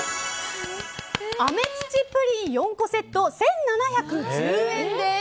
あめつちぷりん４個セット１７１０円です。